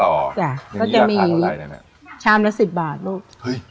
แล้วจะมีชามละ๑๐บาทลูก